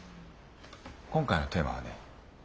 今回のテーマはね